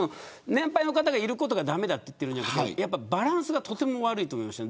年配の方がいることが駄目だと言っているんじゃなくてバランスがとても悪いと思いました。